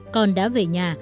con đã về nhà